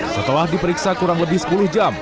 setelah diperiksa kurang lebih sepuluh jam